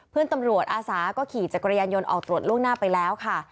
เพื่อนตำรวจอาสาก็ขี่จักรยานยนต์ออกตรวจล่วงหน้าไปแล้วค่ะ